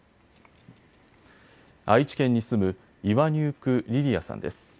愛知県に住むイワニューク・リリヤさんです。